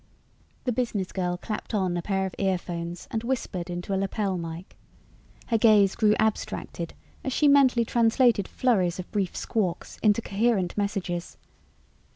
The business girl clapped on a pair of earphones and whispered into a lapel mike. Her gaze grew abstracted as she mentally translated flurries of brief squawks into coherent messages.